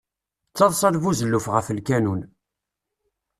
D taḍsa n buzelluf ɣef lkanun.